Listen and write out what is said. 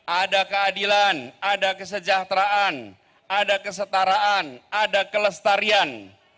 ada keadilan ada kesejahteraan ada kesetaraan ada kelestarian